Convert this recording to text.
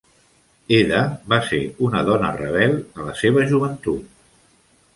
Edda va ser una dona rebel a la seva joventut.